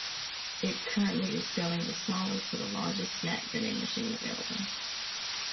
It currently is selling the smallest to the largest snack vending machine available.